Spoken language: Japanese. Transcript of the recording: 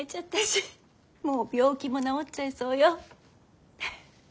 もう病気も治っちゃいそうよ。